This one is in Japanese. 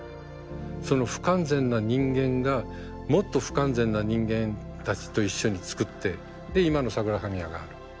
その不完全な人間がもっと不完全な人間たちと一緒に作ってで今のサグラダ・ファミリアがある。